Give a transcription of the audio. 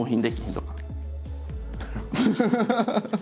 ハハハハ！